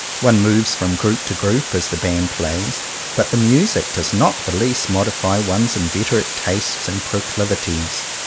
One moves from group to group, as the band plays; but the music does not the least modify one's inveterate tastes and proclivities.